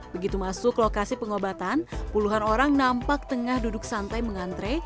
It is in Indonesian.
begitu masuk lokasi pengobatan puluhan orang nampak tengah duduk santai mengantre